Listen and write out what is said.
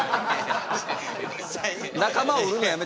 仲間を売るのやめてください。